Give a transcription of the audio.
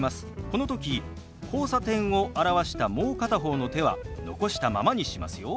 この時「交差点」を表したもう片方の手は残したままにしますよ。